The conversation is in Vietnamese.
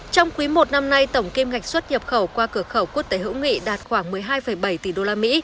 trong quý i năm nay tổng kim ngạch xuất nhập khẩu qua cửa khẩu quốc tế hữu nghị đạt khoảng một mươi hai bảy tỷ usd